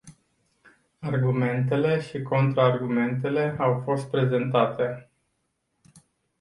Argumentele și contraargumentele au fost prezentate.